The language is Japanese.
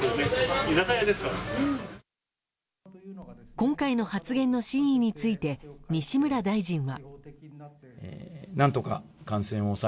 今回の発言の真意について西村大臣は。